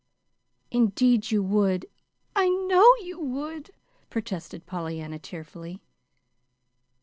"Indeed you would! I know you would," protested Pollyanna, tearfully.